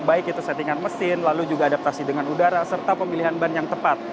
baik itu settingan mesin lalu juga adaptasi dengan udara serta pemilihan ban yang tepat